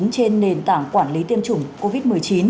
trên nền tảng quản lý tiêm chủng covid một mươi chín